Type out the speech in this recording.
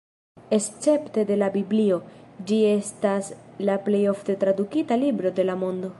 Escepte de la Biblio, ĝi estas la plej ofte tradukita libro de la mondo.